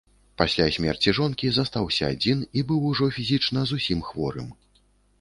Пасля смерці жонкі, застаўся адзін і быў ўжо фізічна зусім хворым.